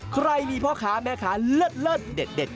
ใครมีพ่อค้าแม่ค้าเลิศเด็ด